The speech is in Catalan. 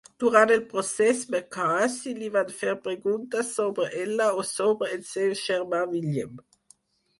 Durant el procés McCarthy li van fer preguntes sobre ella o sobre el seu germà William.